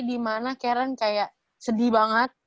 dimana karen kayak sedih banget